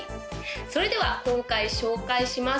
それでは今回紹介します